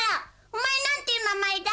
お前なんていう名前だ？